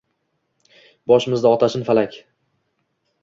Boshimizda otashin falak